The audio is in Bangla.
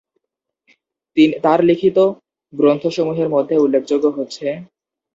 তার লিখিত গ্রন্থ সমূহের মধ্যে উল্লেখযোগ্য হচ্ছে-